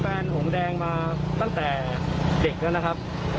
หงแดงมาตั้งแต่เด็กแล้วนะครับ